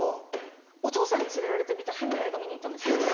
お父さんに連れられて見た変な映画見に行ったんですけど。